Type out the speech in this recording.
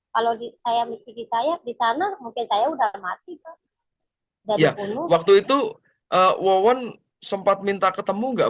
kalau di saya miskin saya di sana mungkin saya udah mati ya waktu itu wowon sempat minta ketemu enggak